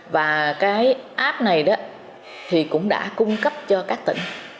và cái app này thì cũng đã cung cấp cho các tỉnh